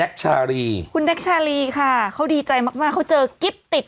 ชาลีคุณแจ๊กชาลีค่ะเขาดีใจมากมากเขาเจอกิ๊บติด